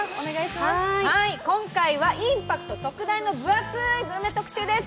今回はインパクト特大の分厚いグルメ特集です。